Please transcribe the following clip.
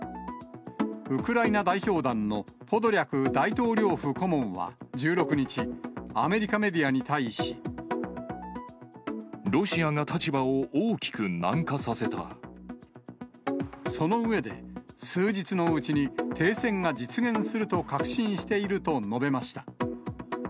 ウクライナ代表団のポドリャク大統領府顧問は１６日、アメリカメディアに対し。ロシアが立場を大きく軟化さその上で、数日のうちに停戦が実現すると確信していると述べました。